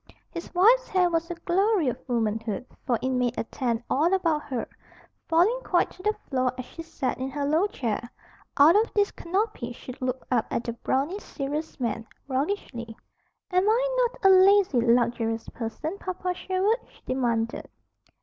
His wife's hair was "a glory of womanhood," for it made a tent all about her, falling quite to the floor as she sat in her low chair. Out of this canopy she looked up at the brawny, serious man, roguishly. "Am I not a lazy, luxurious person, Papa Sherwood?" she demanded.